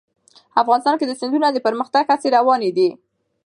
افغانستان کې د سیندونه د پرمختګ هڅې روانې دي.